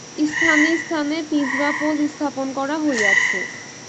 স্থানে স্থানে পিঁজরাপোল স্থাপন করা হইয়াছে।